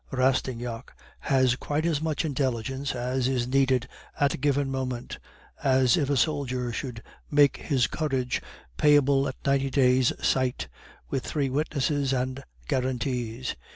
Rastignac has quite as much intelligence as is needed at a given moment, as if a soldier should make his courage payable at ninety days' sight, with three witnesses and guarantees.